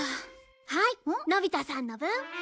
はいのび太さんの分。